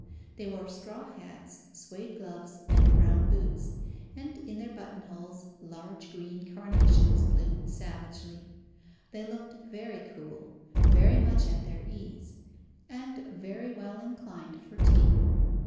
They wore straw hats, suède gloves, and brown boots, and in their buttonholes large green carnations bloomed savagely. They looked very cool, very much at their ease, and very well inclined for tea.